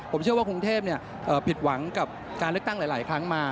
ผมเชื่อว่ากรุงเทพผิดหวังกับการเลือกตั้งหลายครั้งมา